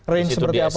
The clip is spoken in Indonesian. range seperti apa